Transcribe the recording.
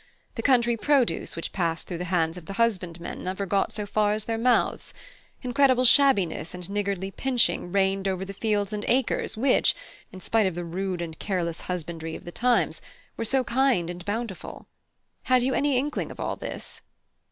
The country produce which passed through the hands of the husbandmen never got so far as their mouths. Incredible shabbiness and niggardly pinching reigned over the fields and acres which, in spite of the rude and careless husbandry of the times, were so kind and bountiful. Had you any inkling of all this?"